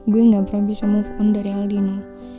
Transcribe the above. gue gak pernah bisa move on dari aldina